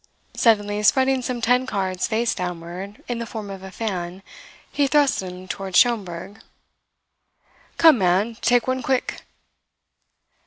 Suddenly spreading some ten cards face downward in the form of a fan, he thrust them towards Schomberg. "Come, man, take one quick!"